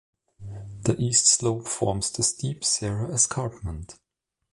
The east slope forms the steep Sierra Escarpment.